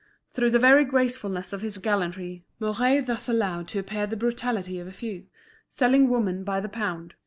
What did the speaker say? Through the very gracefulness of his gallantry, Mouret thus allowed to appear the brutality of a few, selling woman by the pound.